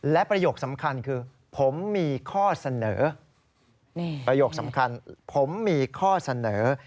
และประโยคสำคัญคือผมมีข้อเสนอ